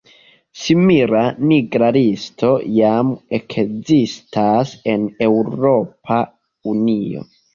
Simila "nigra listo" jam ekzistas en Eŭropa Unio.